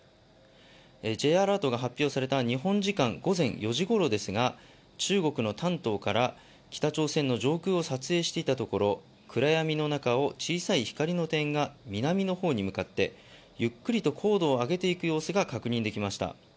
Ｊアラートが発射された日本時間午前４時ごろですが中国の丹東から北朝鮮の上空を撮影していたところ、暗闇の中を小さい光の点が南の方に向かってゆっくりと高度を上げていく様子が確認できました。